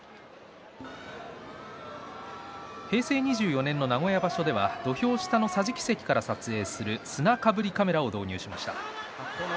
平成２４年の名古屋場所では土俵下の桟敷席から撮影する砂かぶりカメラを導入しました。